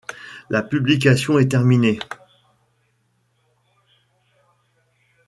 La publication est terminée.